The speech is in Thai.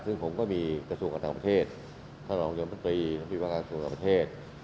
ซึ่งผมก็มีประสุนกันทั้งประเทศท่านหลังความยอมศัตริย์ท่านผู้บังคับประสุนกันทั้งประเทศ